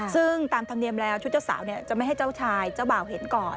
ซึ่งตามธรรมเนียมแล้วชุดเจ้าสาวจะไม่ให้เจ้าชายเจ้าบ่าวเห็นก่อน